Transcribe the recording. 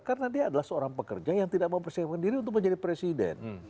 karena dia adalah seorang pekerja yang tidak mempersiapkan diri untuk menjadi presiden